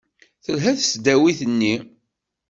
Telha tesdawit-nni?